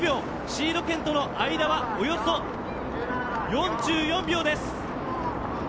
シード権との間はおよそ４４秒です。